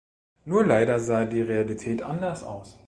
Nur leider sah die Realität anders aus.